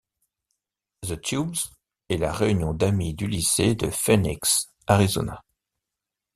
The Tubes est la réunion d'amis du lycée de Phoenix, Arizona.